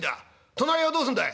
隣はどうすんだい」。